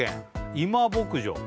今牧場